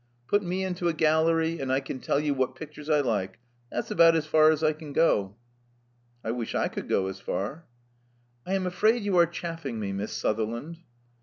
Put me into a gallery, and I can tell you what pictures I like: that's about as far as I can go." '*I wish I could go as far." "I am afraid you are chaffing me, Miss Sutherland."